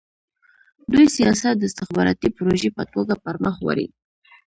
دوی سیاست د استخباراتي پروژې په توګه پرمخ وړي.